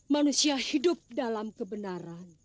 manusia hidup dalam kebenaran